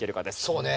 そうね。